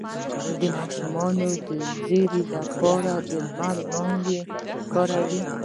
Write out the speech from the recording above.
د ماشوم د ژیړي لپاره د لمر وړانګې وکاروئ